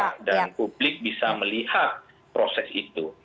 untuk membuat publik bisa melihat proses itu